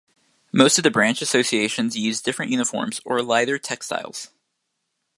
Most of the branch associations use different uniforms or lighter textiles.